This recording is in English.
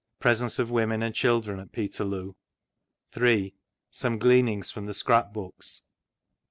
Presence of women and children at Peterloo. 3. Some gleanings from the Scrap Books.